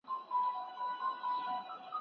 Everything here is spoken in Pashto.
د کار کیفیت د ذهني آرامتیا سره تړاو لري.